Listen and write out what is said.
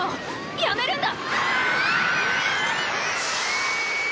やめるんだ！